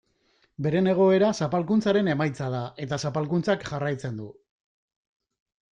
Beren egoera zapalkuntzaren emaitza da eta zapalkuntzak jarraitzen du.